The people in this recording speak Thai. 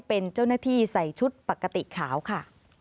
เป็นเจ้าหน้าที่ใส่ชุดปกติขาวค่ะ